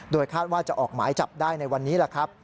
คาดว่าจะออกหมายจับได้ในวันนี้แหละครับ